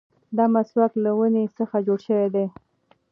دا مسواک له ونې څخه جوړ شوی دی.